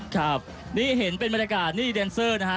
ครับนี่เห็นเป็นบรรยากาศนี่แดนเซอร์นะฮะ